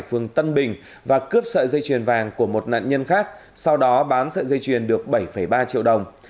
phường tân bình và cướp sợi dây chuyền vàng của một nạn nhân khác sau đó bán sợi dây chuyền được bảy ba triệu đồng